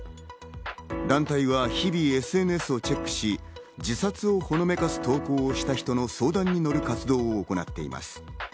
団体は日々ＳＮＳをチェックし、自殺をほのめかす投稿をした人の相談に乗る活動を行っています。